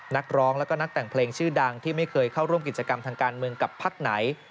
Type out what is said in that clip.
นักร้องแล้วก็นักแต่งเพลงชื่อดังที่ไม่เคยเข้าร่วมกิจกรรมทางการเมืองกับพักไหน